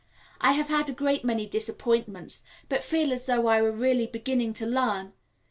I have had a great many disappointments, but feel as though I were really beginning to learn.